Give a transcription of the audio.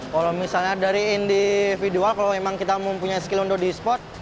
kalau misalnya dari individual kalau memang kita mempunyai skill untuk di e sport